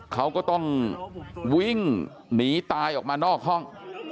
เขาก็ต้องวิ่งหนีตายออกมานอกห้อง